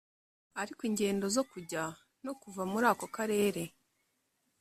ariko ingendo zo kujya no kuva muri ako karere